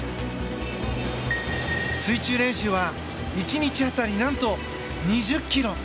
水中練習は１日当たり何と２０ｋｍ。